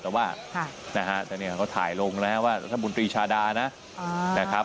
แต่เนี่ยเราถ่ายลงแล้วว่ารัฐบุญตรีชาดานะนะครับ